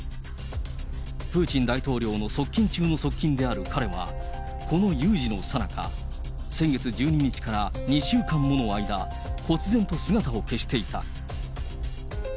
プーチン大統領の側近中の側近である彼は、この有事のさなか、先月１２日から２週間もの間、こつ然と姿を消していた。